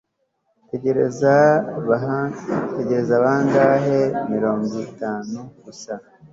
tegereza! bangahe? mirongo itanu gusa